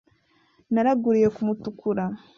naraguriye ku mutukura,